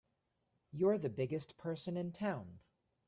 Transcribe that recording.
You're the biggest person in town!